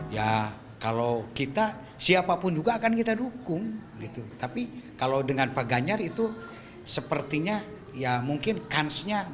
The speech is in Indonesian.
ya kalau kita siapapun juga akan kita dukung gitu tapi kalau dengan pak ganjar itu sepertinya ya mungkin kansnya